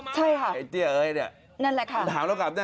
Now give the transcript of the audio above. ใช่ค่ะนั่นแหละค่ะ